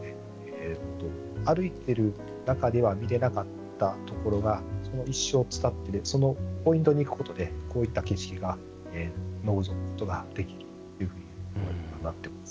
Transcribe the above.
歩いている中では見れなかったところが石を伝ってそのポイントに行くことでこういった景色を望むことができるというふうになっています。